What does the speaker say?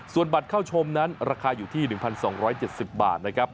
ส่วนบัตรเข้าชมนั้นราคาอยู่ที่๑๒๗๐บาทนะครับ